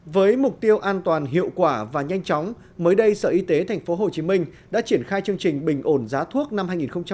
với mục tiêu an toàn hiệu quả và nhanh chóng mới đây sở y tế tp hcm đã triển khai chương trình bình ổn giá thuốc năm hai nghìn một mươi bảy hai nghìn một mươi tám